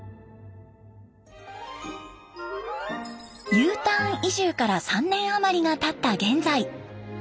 Ｕターン移住から３年あまりがたった現在。